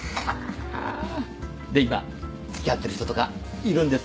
で今付き合ってる人とかいるんですか？